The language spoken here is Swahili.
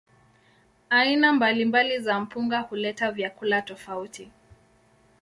Aina mbalimbali za mpunga huleta vyakula tofauti.